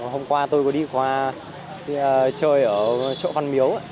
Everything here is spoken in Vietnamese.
hôm qua tôi có đi qua chơi ở chỗ văn miếu